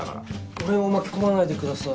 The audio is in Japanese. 俺を巻き込まないでください。